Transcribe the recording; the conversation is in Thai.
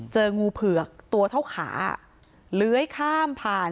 เจองูเผือกตัวเท่าขา